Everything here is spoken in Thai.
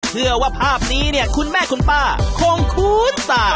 เชื่อว่าภาพนี้เนี่ยคุณแม่คุณป้าคงคุ้นตา